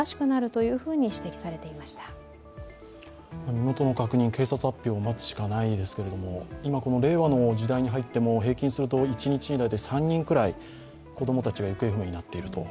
身元の確認、警察発表を待つしかないですけれども、今この令和の時代に入っても平均すると一日に３人くらい子供たちが行方不明になっている。